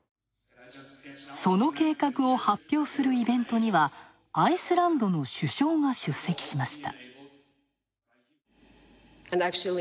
その計画を発表するイベントにはアイスランドの首相が出席しました。